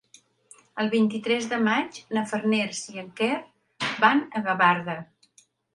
El vint-i-tres de maig na Farners i en Quer van a Gavarda.